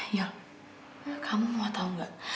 yul kamu mau tau gak